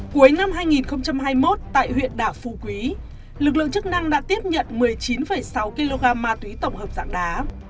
cuối năm hai nghìn hai mươi một tại huyện đảo phu quý lực lượng chức năng đã tiếp nhận một mươi chín sáu kg ma túy tổng hợp dạng đá